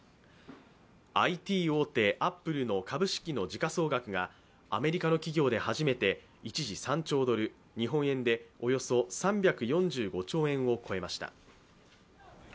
ＩＴ大手・アップルの株式の時価総額がアメリカの企業で初めて一時、３兆ドル、日本円でおよそ３４５兆円を超えました。